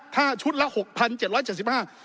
ถ้าชุดละ๖๗๗๕บาท